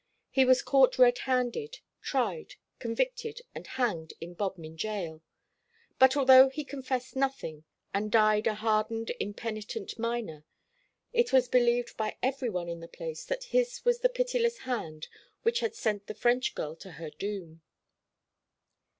He was caught red handed, tried, convicted, and hanged in Bodmin Gaol: but although he confessed nothing, and died a hardened impenitent miner, it was believed by every one in the place that his was the pitiless hand which had sent the French girl to her doom.